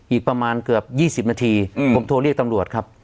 อีกประมาณเกือบ๒๐นาทีผมโทรเรียกตำรวจครับ